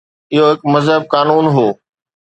اهو هڪ مهذب قانون هو.